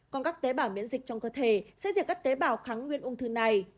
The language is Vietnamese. còn các tế bào miễn dịch trong cơ thể sẽ giữ các tế bào kháng nguyên ung thư này